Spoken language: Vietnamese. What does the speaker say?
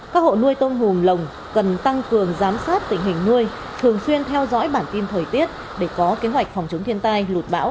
các hộ nuôi tôm hùm lồng cần tăng cường giám sát tình hình nuôi thường xuyên theo dõi bản tin thời tiết để có kế hoạch phòng chống thiên tai lụt bão